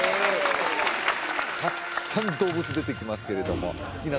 たくさん動物出てきますけれども好きな